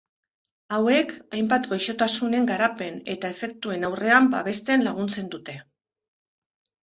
Hauek hainbat gaixotasunen garapen eta efektuen aurrean babesten laguntzen dute.